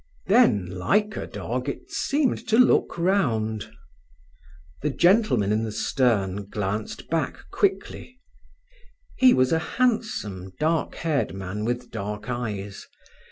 Then, like a dog, it seemed to look round. The gentleman in the stern glanced back quickly. He was a handsome, dark haired man with dark eyes.